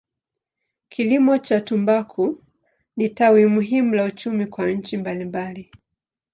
Kilimo cha tumbaku ni tawi muhimu la uchumi kwa nchi mbalimbali.